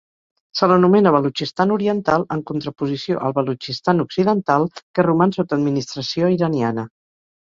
Se l'anomena Balutxistan Oriental en contraposició al Balutxistan Occidental que roman sota administració iraniana.